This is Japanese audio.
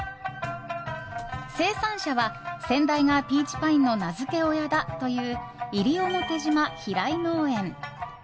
生産者は、先代がピーチパインの名付け親だという西表島ひらい農園。